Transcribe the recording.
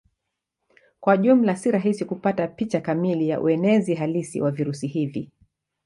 Kwa jumla si rahisi kupata picha kamili ya uenezi halisi wa virusi hivi.